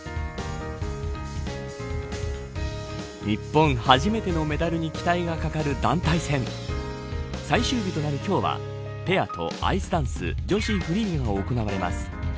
日本初めてのメダルに期待がかかる団体戦最終日となる今日はペアとアイスダンス女子フリーが行われます。